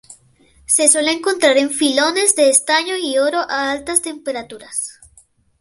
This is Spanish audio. Se suele encontrar en filones de estaño y oro a altas temperaturas.